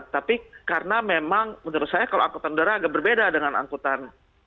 tapi karena memang menurut saya kalau angkutan udara agak berbeda dengan angkutan